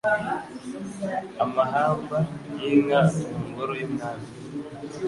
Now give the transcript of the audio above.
amahamba y' inka mu ngoro y'umwami.